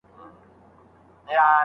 په هره ستونزه کي یو ښه اړخ وي.